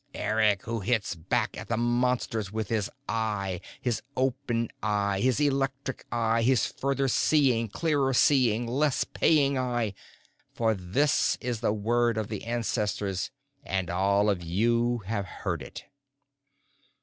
Eric who hits back at the Monsters with his eye, his open eye, his electric eye, his further seeing, clearer seeing, less paying eye. For this is the word of the ancestors, and all of you have heard it."